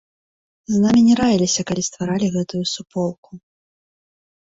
З намі не раіліся, калі стваралі гэтую суполку.